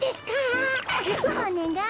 おねがい。